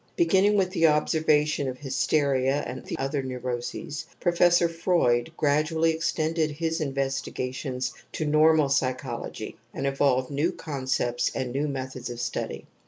B eginning with the observation of hysteria and the other neu roses^ Professor Freud gradually extended his investigations to normal psychology and evolved new concepts and new methods of study.